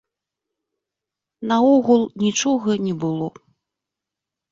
Наогул, нічога не было.